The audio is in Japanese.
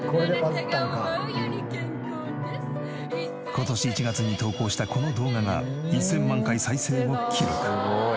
今年１月に投稿したこの動画が１０００万回再生を記録。